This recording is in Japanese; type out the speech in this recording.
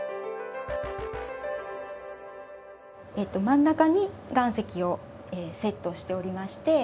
真ん中に岩石をセットしておりまして